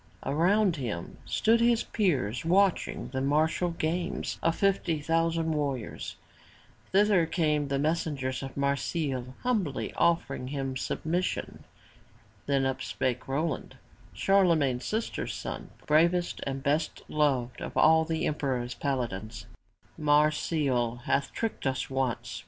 Around him stood his peers watching the martial games of fifty thousand warriors. Thither came the messengers of Marsile, humbly offering him submission. Then up spake Roland, Charlemagne's sister's son, bravest and best beloved of all the emperor's paladins: "Marsile hath tricked us once.